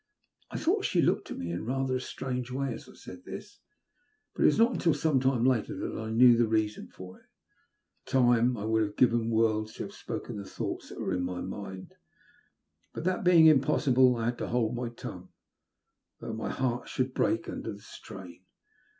'* I thought she looked at me in rather a strange way as I said this ; but it was not until some time lat^ that I knew the reason of it. At the time I would have given worlds to have spoken the thoughts that were in my mind ; but that being impossible, I had to hold my tongue, though my heart should break under the strain.